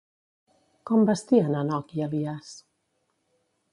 Com vestien Henoc i Elias?